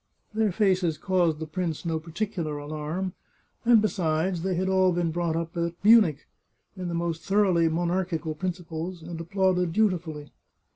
Their faces caused the prince no par ticular alarm, and besides, they had all been brought up at Munich, in the most thoroughly monarchical principles, and applauded dutifully.